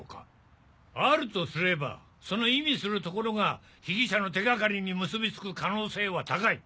あるとすればその意味するところが被疑者の手掛かりに結びつく可能性は高い。